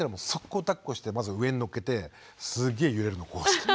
こうだっこしてまず上に乗っけてすげえ揺れるのこうして。